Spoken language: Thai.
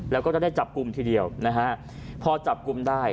แล้วก็จะได้จับกลุ่มทีเดียวนะฮะพอจับกลุ่มได้